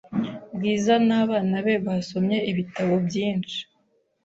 Bwiza n’abana be basomye ibitabo byinshi.